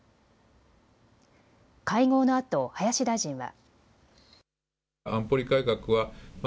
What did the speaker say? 会合のあと林大臣は。